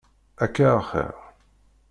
Akka axiṛ.